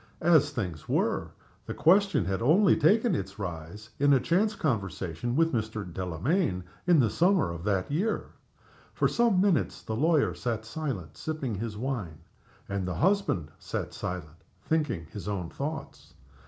As things were, the question had only taken its rise in a chance conversation with Mr. Delamayn in the summer of that year. For some minutes the lawyer sat silent, sipping his wine, and the husband sat silent, thinking his own thoughts.